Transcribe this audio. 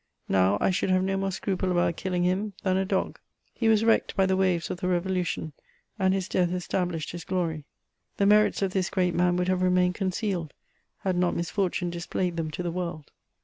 — Now, I should have no more scruple about killing him than a dog." He was wrecked by the waves of the Revolution, and CHATEAUBRIAND. 187 his death estahlished his glory. The merits of this great man would have remained concealed had not misfortune displayed them to the world.